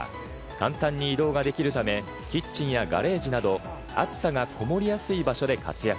簡単に移動ができるため、キッチンやガレージなど、暑さがこもりやすい場所で活躍。